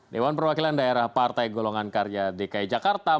dewan perwakilan daerah partai golongan karya dki jakarta